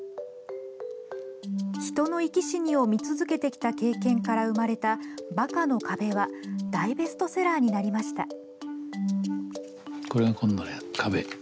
人の生き死にを見続けてきた経験から生まれた「バカの壁」は大ベストセラーになりました。